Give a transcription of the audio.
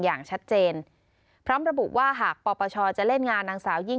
อย่างชัดเจนพร้อมระบุว่าหากปปชจะเล่นงานนางสาวยิ่ง